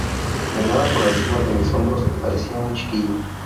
Miraba por encima de mis hombros... parecía un chiquillo.